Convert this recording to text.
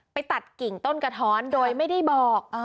ไปตัดกิ่งต้นกระท้อนโดยไม่ได้บอก